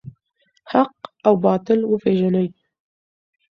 حق او باطل وپیژنئ.